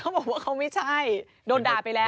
เขาบอกว่าเขาไม่ใช่โดนด่าไปแล้ว